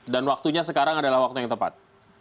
waktunya sekarang adalah waktu yang tepat